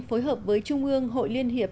phối hợp với trung ương hội liên hiệp